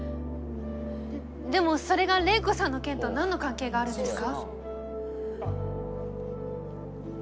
でもそれが麗子さんの件と何の関係があるんですか？